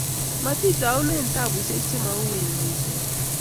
Magaat itaune tebushek chemawien missing